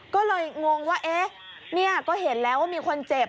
ก็เลยงงว่าเอ๊ะนี่ก็เห็นแล้วว่ามีคนเจ็บ